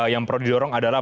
yang perlu didorong adalah